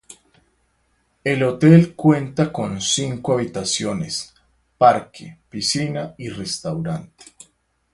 El hotel cuenta con cinco habitaciones, parque, piscina y restaurante.